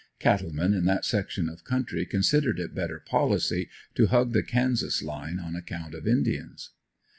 Cattlemen in that section of country considered it better policy to hug the Kansas line on account of indians.